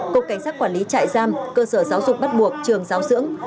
cục cảnh sát quản lý trại giam cơ sở giáo dục bắt buộc trường giáo dưỡng